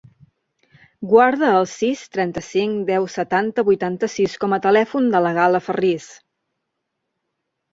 Guarda el sis, trenta-cinc, deu, setanta, vuitanta-sis com a telèfon de la Gal·la Ferriz.